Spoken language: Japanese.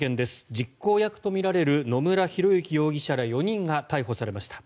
実行役とみられる野村広之容疑者ら４人が逮捕されました。